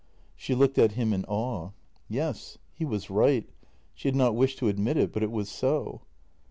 She looked at him in awe. Yes, he was right — she had not wished to admit it, but it was so.